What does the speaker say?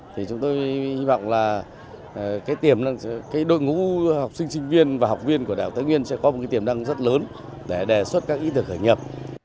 thì chúng tôi hy vọng là cái đội ngũ học sinh sinh viên và học viên của đại học tây nguyên sẽ có một cái tiềm năng rất lớn để đề xuất các ý tưởng khởi nghiệp